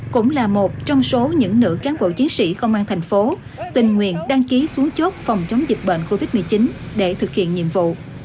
cũng là một trong số những nữ cán bộ chiến sĩ công an thành phố tình nguyện đăng ký xuống chốt phòng chống dịch bệnh covid một mươi chín để thực hiện nhiệm vụ